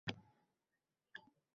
To so’nggi dam